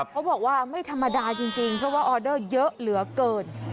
เขาบอกว่าไม่ธรรมดาจริงเพราะว่าออเดอร์เยอะเหลือเกิน